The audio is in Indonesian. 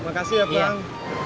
makasih ya bang